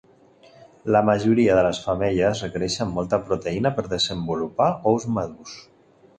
La majoria de les femelles requereixen molta proteïna per desenvolupar ous madurs.